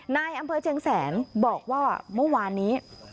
นายอำเภอเชียงแสนบอกว่าเมื่อวานนี้